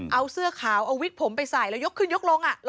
เอาเสื้อขาวเอาวิกผมไปใส่แล้วยกขึ้นยกลง